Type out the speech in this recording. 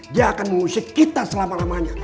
dia akan mengusik kita selama lamanya